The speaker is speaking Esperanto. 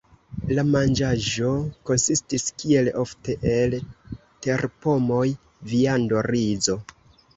La manĝaĵo konsistis kiel ofte, el terpomoj, viando, rizo.